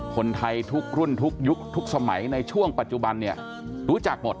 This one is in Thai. คนไทยทุกรุ่นทุกยุคทุกสมัยในช่วงปัจจุบันเนี่ยรู้จักหมด